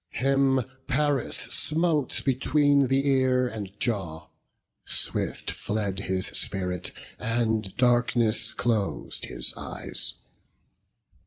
Him Paris smote between the ear and jaw; Swift fled his spirit, and darkness clos'd his eyes.